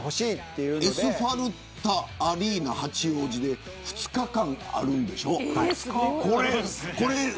エスフォルタアリーナ八王子で２日間あるんでしょう。